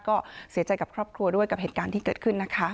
ก็เสียใจกับครอบครัวด้วยกับเหตุการณ์ที่เกิดขึ้นนะคะ